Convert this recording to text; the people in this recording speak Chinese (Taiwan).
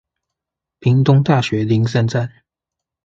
屏東大學林森站